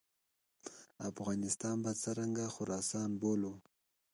افغانستان به څرنګه خراسان بولو.